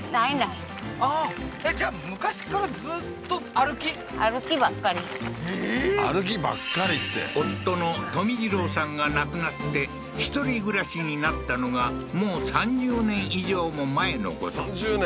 あっえっじゃあ「歩きばっかり」って夫の富次郎さんが亡くなって１人暮らしになったのがもう３０年以上も前のこと３０年